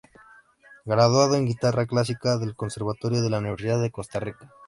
Graduado en guitarra clásica del Conservatorio de la Universidad de Costa Rica.